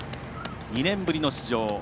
２年ぶりの出場。